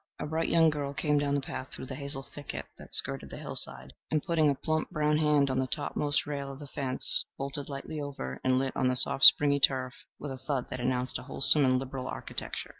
A bright young girl came down the path through the hazel thicket that skirted the hillside, and putting a plump brown hand on the topmost rail of the fence vaulted lightly over, and lit on the soft springy turf with a thud that announced a wholesome and liberal architecture.